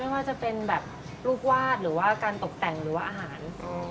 ว่าจะเป็นแบบลูกวาดหรือว่าการตกแต่งหรือว่าอาหาร